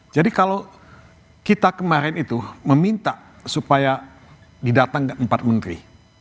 jadi kalau kita kemarin itu meminta supaya didatang ke empat menteri